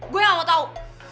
gue gak mau tau